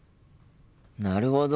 なるほど。